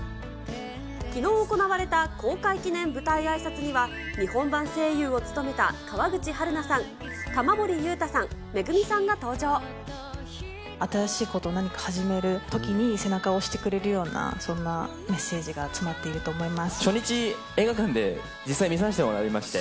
きのう行われた公開記念舞台あいさつには、日本版声優を務めた川口春奈さん、玉森裕太さん、新しいことを何か始めるときに、背中を押してくれるような、そんなメッセージが詰まっている初日、映画館で実際見させてもらいまして。